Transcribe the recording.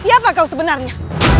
siapa kau sebenarnya